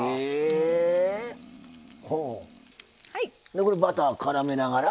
でこれバターからめながら？